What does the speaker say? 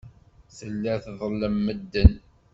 Tella tḍellem medden.